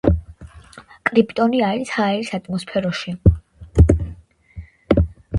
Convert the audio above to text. კრიპტონი არის ჰაერის ატმოსფეროში.